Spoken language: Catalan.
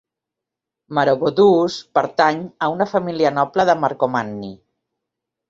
Maroboduus pertany a una família noble de Marcomanni.